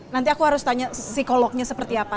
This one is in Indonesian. nanti aku harus tanya psikolognya seperti apa